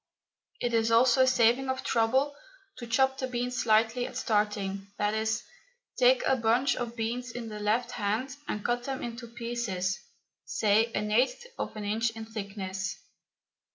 It is also a saving of trouble to chop the beans slightly at starting, i.e., take a bunch of beans in the left hand and cut them into pieces, say an eighth of an inch in thickness.